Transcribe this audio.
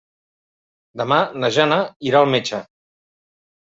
Demà na Jana irà al metge.